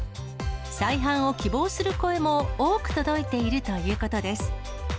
再販を希望する声も多く届いているということです。